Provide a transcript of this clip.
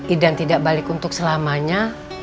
idan tidak balik untuk selamanya